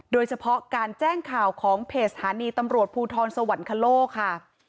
โดยเฉพาะการแจ้งข่าวของเพจสถานีตำรวจภูทรสวรรคโลกค่ะ